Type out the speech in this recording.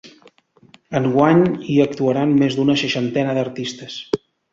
Enguany, hi actuaran més d’una seixantena d’artistes.